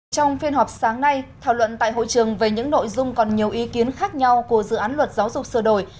trong phiên họp sáng nay thảo luận tại hội trường về những nội dung còn nhiều ý kiến khác nhau của dự án luật giáo dục sửa đổi